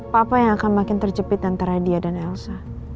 papa yang akan makin terjepit antara dia dan elsa